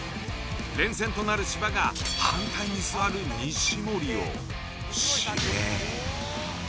連戦となる芝が「反対」に座る西森を指名。